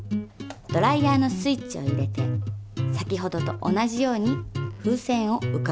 ドライヤーのスイッチを入れて先ほどと同じように風船を浮かべます。